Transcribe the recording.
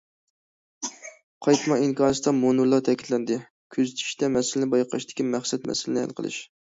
قايتما ئىنكاستا مۇنۇلار تەكىتلەندى: كۆزىتىشتە مەسىلىنى بايقاشتىكى مەقسەت مەسىلىنى ھەل قىلىش.